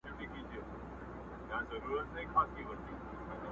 له څپو څخه د امن و بېړۍ ته٫